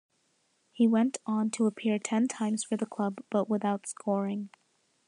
He went on to appear ten times for the club, but without scoring.